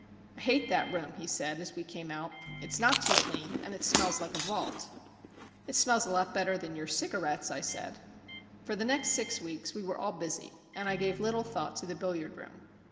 "I hate that room," he said, as we came out. "It's not too clean, and it smells like a vault." "It smells a lot better than your cigarettes," I said. For the next six weeks we were all busy, and I gave little thought to the billiard room.